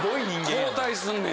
交代すんねや？